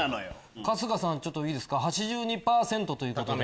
春日さんいいですか８２％ということで。